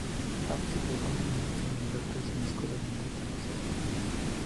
Abe se quedó con Lin Sun y Lotus en la escuela de artes marciales.